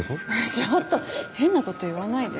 ちょっと変なこと言わないで。